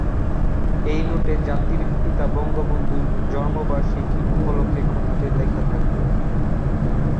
এই নোটে জাতির পিতা বঙ্গবন্ধুর জন্ম শতবার্ষিকী উপলক্ষে কথাটি লেখা থাকবে।